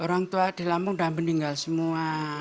orang tua di lampung sudah meninggal semua